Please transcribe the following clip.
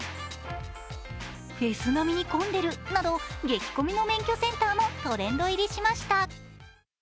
フェス並みに混んでるなど激混みの免許センターもトレンド入りしました。